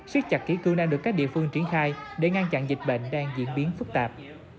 suy chặt kỹ cưu đang được các địa phương triển khai để ngăn chặn dịch bệnh đang diễn biến phức tạp